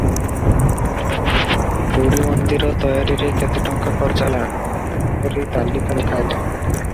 ପୁରୀ ମନ୍ଦିର ତୟାରିରେ କେତେ ଟଙ୍କା ଖରଚ ହେଲା, ତାହା ହିସାବ କରି ତାଲିକା ଦେଖାଇଲେ ।